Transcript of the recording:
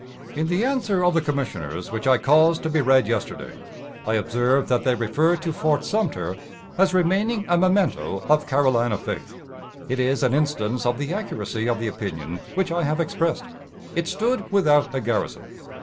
In the answer of the commissioners which I caused to be read yesterday, I observed that they referred to Fort Sumter as remaining a memento of Carolina faith. It is an instance of the accuracy of the opinion which I have expressed. It stood without a garrison.